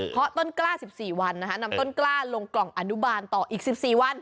เพราะต้นกล้า๑๔วันนำต้นกล้าลงกล่องอนุบาลต่ออีก๑๔วัน